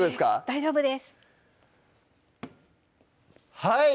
大丈夫ですはい！